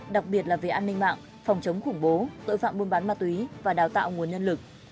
đặc biệt là về an ninh mạng phòng chống khủng bố tội phạm buôn bán ma túy và đào tạo nguồn nhân lực